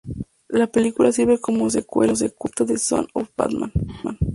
La película sirve como secuela directa de "Son of Batman".